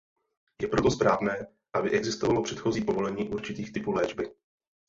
Je proto správné, aby existovalo předchozí povolení určitých typů léčby.